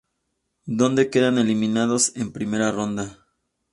Donde quedan eliminados en primera ronda.